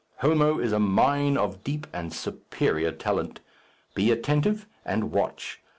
Homo is a mine of deep and superior talent. Be attentive and watch.